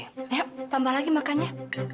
yuk tambah lagi makannya